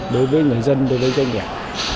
đối với người dân đối với doanh nghiệp